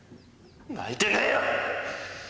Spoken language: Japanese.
泣いてねえよ！